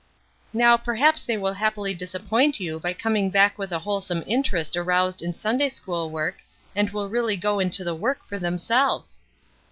"Now perhaps they will happily disappoint you by coming back with a wholesome interest aroused in Sunday school work, and will really go into the work for themselves."